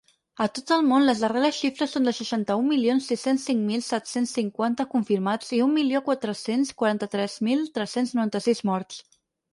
A tot el món, les darreres xifres són de seixanta-un milions sis-cents cinc mil set-cents cinquanta confirmats i un milió quatre-cents quaranta-tres mil tres-cents noranta-sis morts.